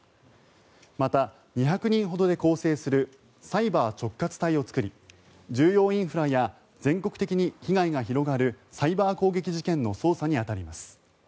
また、２００人ほどで構成するサイバー直轄隊を作り重要インフラや全国的に被害が広がるサイバー攻撃事件の捜査に当たります。